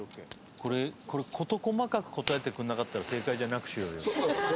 これ事細かく答えてくれなかったら正解じゃなくしようよこれは。